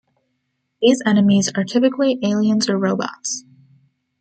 These enemies are typically aliens or robots.